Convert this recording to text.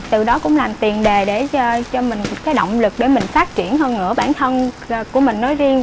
từ đó cũng làm tiền đề để cho mình cái động lực để mình phát triển hơn nữa bản thân của mình nói riêng